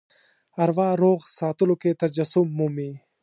اروا روغ ساتلو کې تجسم مومي.